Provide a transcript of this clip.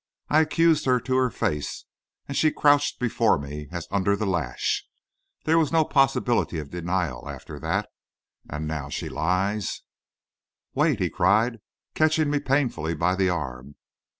I accused her to her face, and she crouched before me as under the lash. There was no possibility of denial after that, and she now lies " "Wait!" he cried, catching me painfully by the arm.